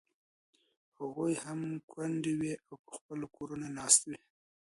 هغوی هم کونډې وې او په خپلو کورونو ناستې وې.